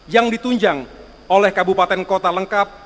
yang ditunjang oleh kabupaten kota lengkap